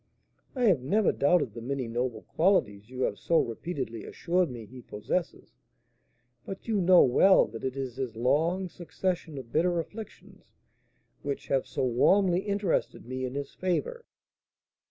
"I have never doubted the many noble qualities you have so repeatedly assured me he possesses, but you know well that it is his long succession of bitter afflictions which have so warmly interested me in his favour."